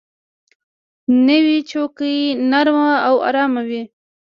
نوې چوکۍ نرمه او آرامه وي